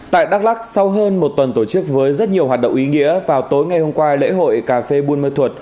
tại đắk lắc sau hơn một tuần tổ chức với rất nhiều hoạt động ý nghĩa vào tối ngày hôm qua lễ hội cà phê buôn ma thuột